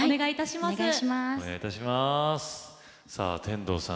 天童さん